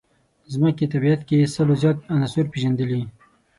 ځمکې طبیعت کې سلو زیات عناصر پېژندلي.